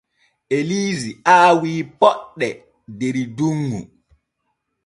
Elise aawi poɗɗe der dunŋu.